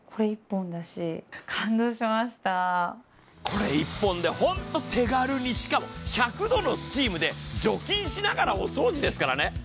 これ１本でホント手軽にしかも１００度のスチームで除菌しながらお掃除ですからね。